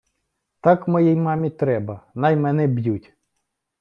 Так моїй мамі треба: най мене б'ють.